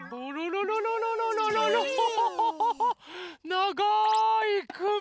ながいくび！